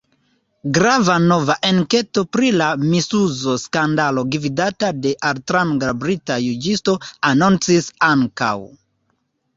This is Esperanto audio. Grava nova enketo pri la misuzo skandalo gvidata de altranga brita juĝisto anoncis ankaŭ.